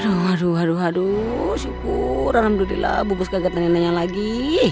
aduh aduh aduh aduh syukur alhamdulillah bu bos gak ngegetanin andin lagi